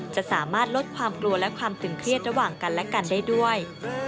จะสามารถลดความกลัวและความตึงเครียดระหว่างกันและกันได้ด้วย